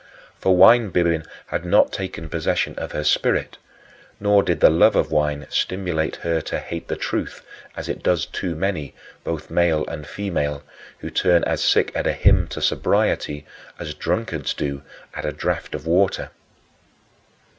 For winebibbing had not taken possession of her spirit, nor did the love of wine stimulate her to hate the truth, as it does too many, both male and female, who turn as sick at a hymn to sobriety as drunkards do at a draught of water.